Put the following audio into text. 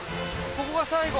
ここが最後？